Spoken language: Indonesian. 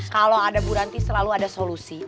kalau ada buranti selalu ada solusi